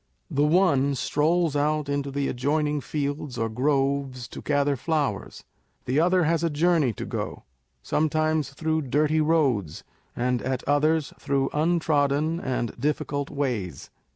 The one strolls out into the adjoining fields or groves to gather flowers : the other has a journey to go, sometimes through dirty roads, and at others through untrodden and difficult ways.